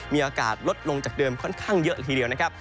มีอากาศลดลงจากเดิมค่อนข้างเยอะละทีเดียวนะครับ